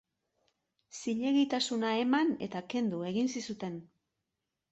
Zilegitasuna eman eta kendu egin zizuten.